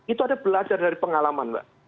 itu ada belajar dari pengalaman mbak